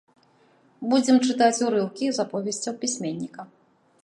Будзем чытаць урыўкі з аповесцяў пісьменніка.